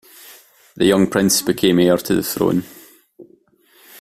The young prince became heir to the throne.